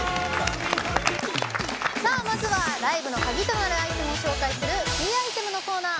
まずはライブの鍵となるアイテムを紹介する「ＫＥＹｉｔｅｍ」のコーナー。